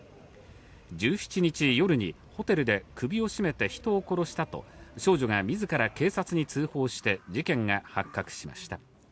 １７日夜にホテルで首を絞めて人を殺したと、少女がみずから警察に通報して、事件が発覚しました。